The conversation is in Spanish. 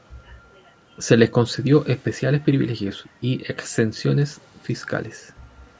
Se les concedió especiales privilegios y exenciones fiscales.